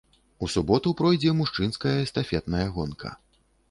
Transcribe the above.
У суботу пройдзе мужчынская эстафетная гонка.